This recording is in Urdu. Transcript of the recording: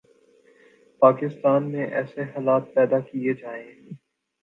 پاکستان میں ایسے حالات پیدا کئیے جائیں